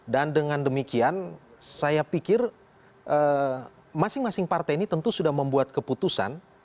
dan dengan demikian saya pikir masing masing partai ini tentu sudah membuat keputusan